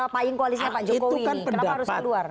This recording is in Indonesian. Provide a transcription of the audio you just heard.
pahing koalisnya pak jokowi ini kenapa harus keluar